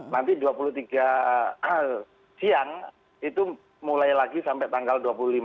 nanti dua puluh tiga siang itu mulai lagi sampai tanggal dua puluh lima